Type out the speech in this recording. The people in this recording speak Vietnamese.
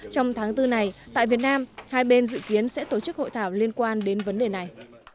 trong tháng bốn này tại việt nam hai bên dự kiến sẽ tổ chức hội thảo liên quan đến vấn đề này